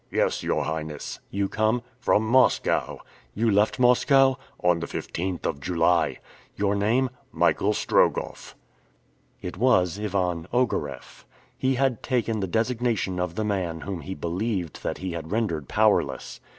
"Yes, your Highness." "You come?" "From Moscow." "You left Moscow?" "On the 15th of July." "Your name?" "Michael Strogoff." It was Ivan Ogareff. He had taken the designation of the man whom he believed that he had rendered powerless.